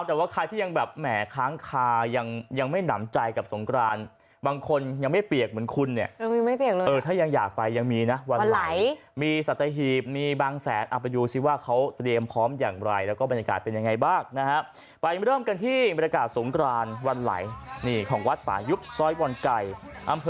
เอาแต่ว่าใครที่ยังแบบแหม่ค้างคา